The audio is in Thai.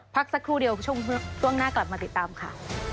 พักสักครู่เดียวช่วงหน้ากลับมาติดตามค่ะ